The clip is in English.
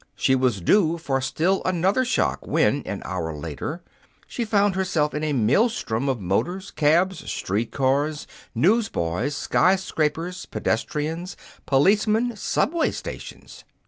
She was due for still another shock when, an hour later, she found herself in a maelstrom of motors, cabs, street cars, newsboys, skyscrapers, pedestrians, policemen, subway stations.